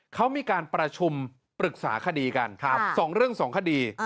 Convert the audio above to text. เขามีการประชุมปรึกษาคดีกัน๒เรื่อง๒คดี